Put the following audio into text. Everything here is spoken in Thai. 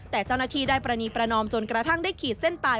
แต่เจ้าหน้าที่ได้ปรณีประนอมจนกระทั่งได้ขีดเส้นตาย